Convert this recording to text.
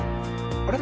あれ？